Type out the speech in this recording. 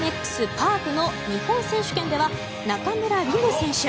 パークの日本選手権では中村輪夢選手。